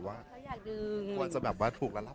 บางทีเค้าแค่อยากดึงเค้าต้องการอะไรจับเราไหล่ลูกหรือยังไง